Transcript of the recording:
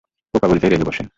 বোকা বলতেই, রেগে গেসেন।